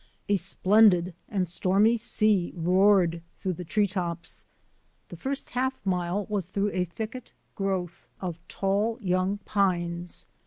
A splendid and stormy sea roared through the tree tops. The first half mile was through a thicket growth of tall young pines.